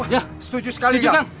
wah setuju sekali kang